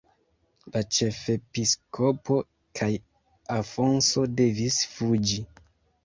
La ĉefepiskopo kaj Afonso devis fuĝi.